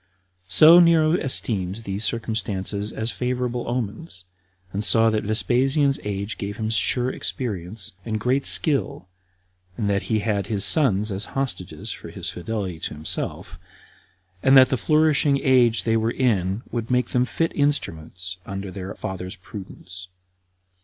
So Nero esteemed these circumstances as favorable omens, and saw that Vespasian's age gave him sure experience, and great skill, and that he had his sons as hostages for his fidelity to himself, and that the flourishing age they were in would make them fit instruments under their father's prudence.